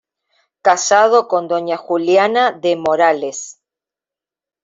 Casado con doña Juliana de Morales.